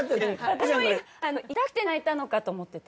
私も今痛くて泣いたのかと思ってた。